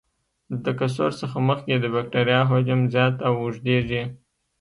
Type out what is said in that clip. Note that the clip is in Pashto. د تکثر څخه مخکې د بکټریا حجم زیات او اوږدیږي.